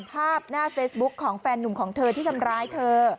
ภาพหน้าเฟซบุ๊คของแฟนหนุ่มของเธอที่ทำร้ายเธอ